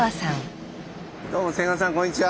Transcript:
どうも千賀さんこんにちは！